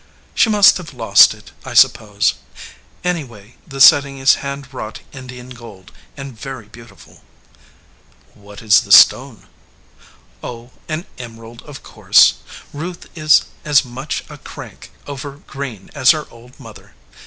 "She must have lost it, I suppose. Anyway, the setting is hand wrought Indian gold and very beautiful." "What is the stone?" "Oh, an emerald, of course. Ruth is as much a crank over green as her old mother.